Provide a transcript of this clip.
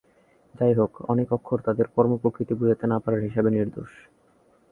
যাইহোক, অনেক অক্ষর তাদের কর্ম প্রকৃতি বুঝতে না পারার হিসাবে নির্দোষ।